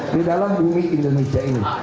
di dalam bumi indonesia ini